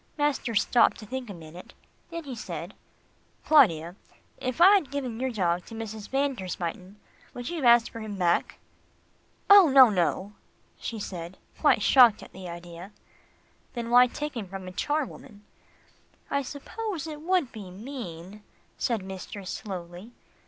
Master stopped to think a minute, then he said, "Claudia, if I had given your dog to Mrs. van der Spyten, would you have asked for him back?" "Oh, no, no," she said quite shocked at the idea. "Then why take him from a charwoman?" "I suppose it would be mean," said mistress slowly.